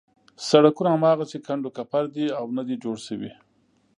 سړکونه هماغسې کنډو کپر دي او نه دي جوړ شوي.